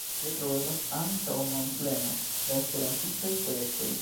Tie troveblas ankaŭ manpleno da esperantistaj projektoj.